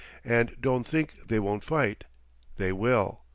And don't think they won't fight. They will.